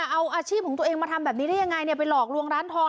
เอาอาชีพของตัวเองมาทำแบบนี้ได้ยังไงไปหลอกลวงร้านทอง